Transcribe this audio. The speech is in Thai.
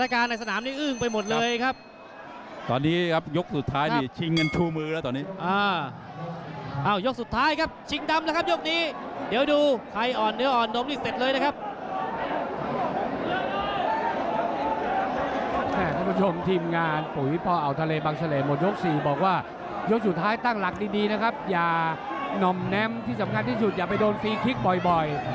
ท่านผู้ชมทีมงานปุ๋ยพอเอาทะเลบังเฉลยหมดยก๔บอกว่ายกสุดท้ายตั้งหลักดีนะครับอย่าน่อมแน้มที่สำคัญที่สุดอย่าไปโดนฟรีคลิกบ่อย